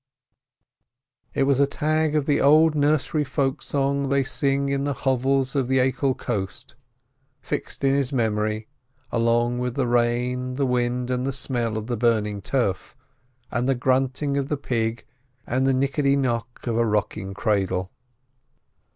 '" It was the tag of an old nursery folk song they sing in the hovels of the Achill coast fixed in his memory, along with the rain and the wind and the smell of the burning turf, and the grunting of the pig and the knickety knock of a rocking cradle.